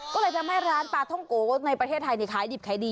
ก็เลยทำให้ร้านปลาท่องโกในประเทศไทยขายดิบขายดี